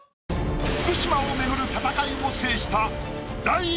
福島を巡る戦いを制した。